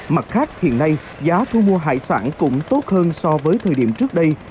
mặt khác hiện nay giá thu mua hải sản cũng tốt hơn so với thời điểm trước đây